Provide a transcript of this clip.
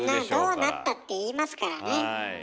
どうなったって言いますからねはい。